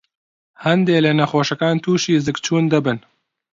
هەندێ لە نەخۆشەکان تووشى زگچوون دەبن.